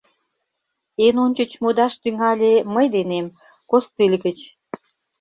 Эн ончыч модаш тӱҥале мый денем, костыль гыч.